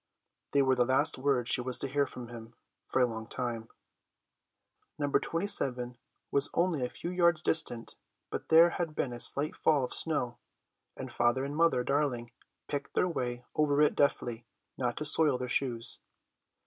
They were the last words she was to hear from him for a long time. No. 27 was only a few yards distant, but there had been a slight fall of snow, and Father and Mother Darling picked their way over it deftly not to soil their shoes.